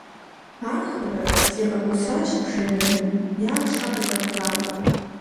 - Ар хъурэ! - зигъэгусащ бжэным. - Ягу щхьэ къызэбгъа?